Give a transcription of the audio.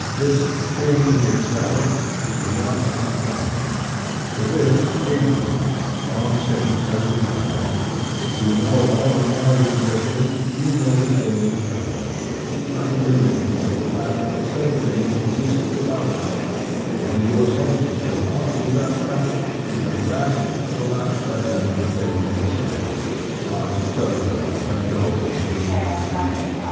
This " thing in itself" is beyond our ken. To this Hegel, long since, has replied: If you know all the qualities of a thing, you know the thing itself; nothing remains but the fact that the said thing exists without us; and when your senses have taught you that fact, you have grasped the last remnant of the thing in itself, Kant's celebrated unknowable Ding an sich.